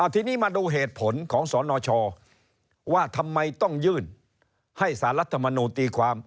ทีนี้มาดูเหตุผลของสนชว่าทำไมต้องยื่นให้สารรัฐมนูลตีความ